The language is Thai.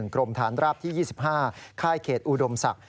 กรมฐานราบที่๒๕ค่ายเขตอุดมศักดิ